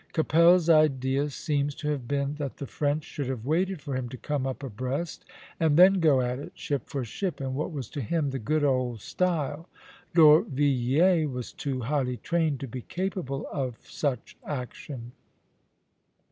Keppel's idea seems to have been that the French should have waited for him to come up abreast, and then go at it, ship for ship, in what was to him the good old style; D'Orvilliers was too highly trained to be capable of such action.